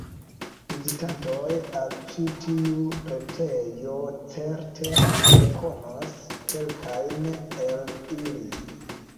Vizitantoj al ĉi tiu retejo certe rekonos kelkajn el ili.